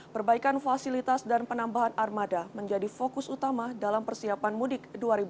perbaikan fasilitas dan penambahan armada menjadi fokus utama dalam persiapan mudik dua ribu dua puluh